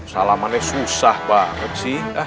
salamannya susah banget sih